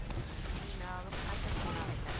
Өйөнә алып ҡайтып, ҡунаҡ итә.